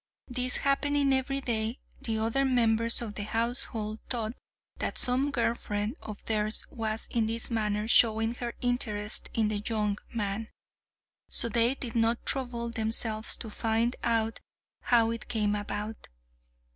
This happening every day, the other members of the household thought that some girl friend of theirs was in this manner showing her interest in the young man, so they did not trouble themselves to find out how it came about.